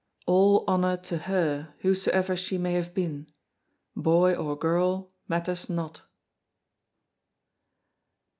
All honour to her whosoever she may have been, boy or girl matters not.